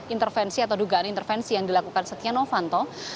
intervensi atau dugaan intervensi yang dilakukan setia novanto